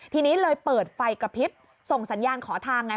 ทีนี้เลยเปิดไฟกระพริบส่งสัญญาณขอทางไง